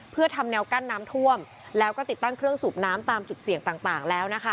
เพื่อทำแนวกั้นน้ำท่วมแล้วก็ติดตั้งเครื่องสูบน้ำตามจุดเสี่ยงต่างแล้วนะคะ